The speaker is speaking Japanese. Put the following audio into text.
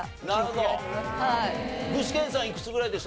具志堅さんはいくつぐらいでした？